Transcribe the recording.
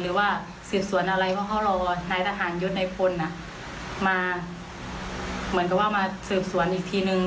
หรือว่าสืบสวนอะไรเพราะเขารอนายทหารยศในพลมาเหมือนกับว่ามาสืบสวนอีกทีนึง